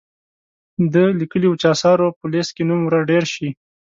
ده لیکلي وو چې آثارو په لیست کې نوم ور ډیر شي.